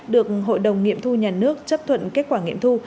được hội đồng nghiệm thu nhà nước chấp thuận kết quả nghiệm thu